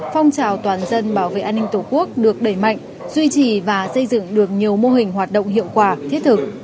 phong trào toàn dân bảo vệ an ninh tổ quốc được đẩy mạnh duy trì và xây dựng được nhiều mô hình hoạt động hiệu quả thiết thực